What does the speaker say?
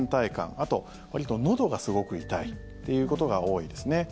あと、わりと、のどがすごく痛いということが多いですね。